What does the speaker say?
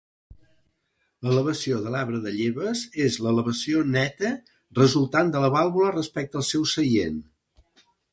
L'elevació de l'arbre de lleves és l'elevació neta resultant de la vàlvula respecte al seu seient.